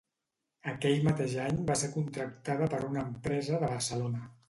Aquell mateix any va ser contractada per una empresa de Barcelona.